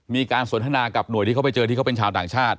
มีการสนทนากับหน่วยที่เขาไปเจอที่เขาเป็นชาวต่างชาติ